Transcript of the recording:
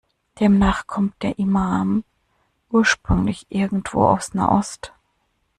Demnach kommt der Imam ursprünglich irgendwo aus Nahost.